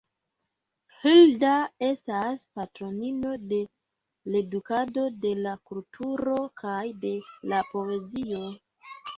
Hilda estas patronino de l’edukado, de la kulturo kaj de la poezio.